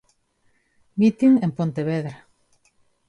Mitin en Pontevedra.